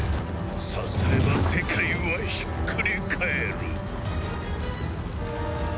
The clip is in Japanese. さすれば世界はひっくり返る。